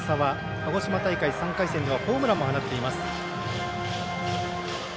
鹿児島大会３回戦ではホームランも放っています。